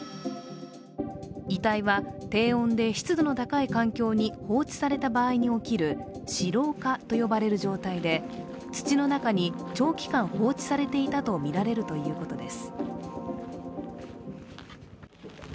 遺体は、低温で湿度の高い環境に放置された場合に起きる屍蝋化と呼ばれる状態で、土の中に長期間放置されていたとみられるということです。